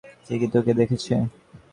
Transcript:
সে কি তোকে দেখেছে?